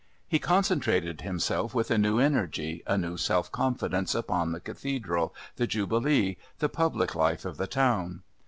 He concentrated himself with a new energy, a new self confidence, upon the Cathedral, the Jubilee, the public life of the town.